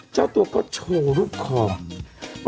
เจ้าตัวก็โชว์รูปคอ